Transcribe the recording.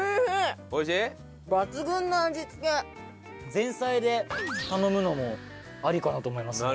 前菜で頼むのもありかなと思いますよね。